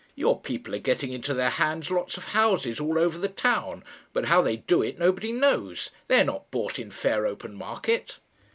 Your people are getting into their hands lots of houses all over the town; but how they do it nobody knows. They are not bought in fair open market."